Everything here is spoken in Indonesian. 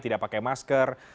tidak pakai masker